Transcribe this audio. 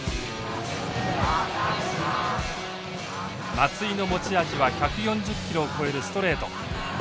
松井の持ち味は１４０キロを超えるストレート。